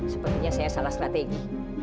sepertinya saya salah strategi